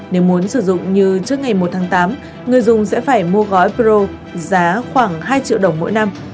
nếu muốn sử dụng như trước ngày một tháng tám người dùng sẽ phải mua gói pro giá khoảng hai triệu đồng mỗi năm